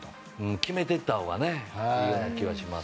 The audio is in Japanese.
決めていったほうがいいような気がします。